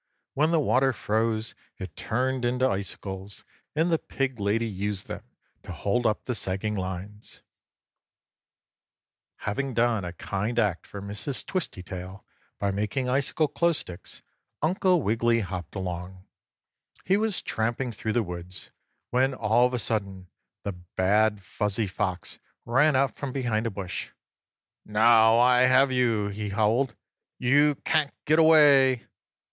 When the water froze it turned into icicles, and the pig lady used them to hold up the sagging lines. 8. Having done a kind act for Mrs. Twistytail, by making icicle clothes sticks Uncle Wiggily hopped along. He was tramping through the woods when, all of a sudden, the bad Fuzzy Fox ran out from behind a bush. "Now I have you!" he howled. "You can't get away!"